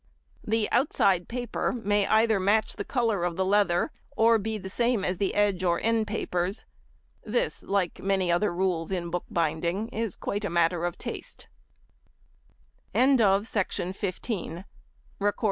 The outside paper may either match the colour of the leather, or be the same as the edge or end papers. This, like many other rules in bookbinding, is quite a matter of taste. CHAPTER XXI. PASTING DOWN.